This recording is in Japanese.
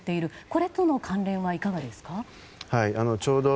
これとの関連はいかがでしょうか？